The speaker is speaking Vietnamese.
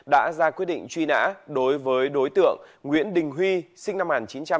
đã ra quyết định truy nã đối với đối tượng nguyễn đình huy sinh năm một nghìn chín trăm tám mươi